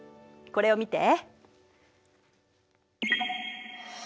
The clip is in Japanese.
これを見て。